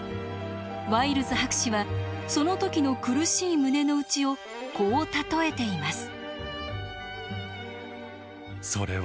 ワイルズ博士はその時の苦しい胸の内をこう例えています。